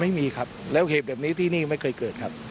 ไม่มีครับแล้วเหตุแบบนี้ที่นี่ไม่เคยเกิดครับ